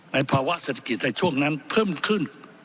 ภาวะเศรษฐกิจในช่วงนั้นเพิ่มขึ้น